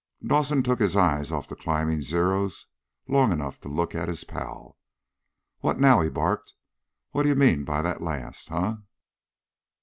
Dawson took his eyes off the climbing Zeros long enough to look at his pal. "What now?" he barked. "What do you mean by that last, huh?"